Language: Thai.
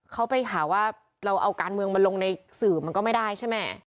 เขาไปหาว่าเราเอาการเมืองมาลงในสื่อมันก็ไม่ได้ใช่ไหม